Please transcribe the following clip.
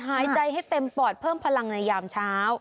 หายใจให้เต็มปอดเพิ่มพลังในยามเช้า